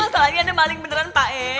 masalahnya ada maling beneran pak eh